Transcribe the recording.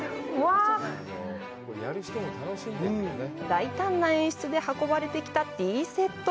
大胆な演出で運ばれてきたティーセット。